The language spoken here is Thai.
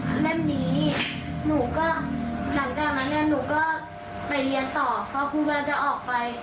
หลังจากนั้นหนูก็ไปเรียนต่อเพราะครูกำลังจะออกไป